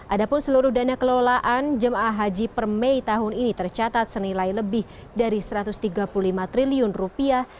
adapun seluruh dana kelolaan jemaah haji per mei tahun ini tercatat senilai lebih dari satu ratus tiga puluh lima triliun rupiah